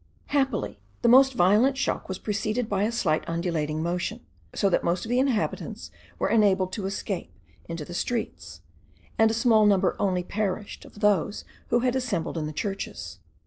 Happily the most violent shock was preceded by a slight undulating motion, so that most of the inhabitants were enabled to escape into the streets, and a small number only perished of those who had assembled in the churches.